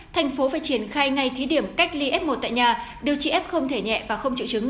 thành phố phải triển khai ngay thí điểm cách ly f một tại nhà điều trị f không thể nhẹ và không chịu chứng